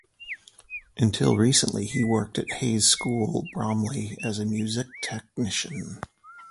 Until recently he worked at Hayes School, Bromley, as a music technician.